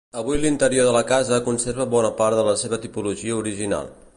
Avui l'interior de la casa conserva bona part de la seva tipologia original.